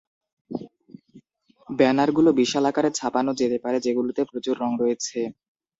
ব্যানারগুলো বিশাল আকারে ছাপানো যেতে পারে, যেগুলোতে প্রচুর রং রয়েছে।